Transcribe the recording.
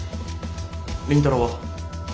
倫太郎は？